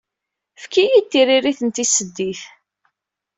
Efk-iyi-d tiririt d tiseddit.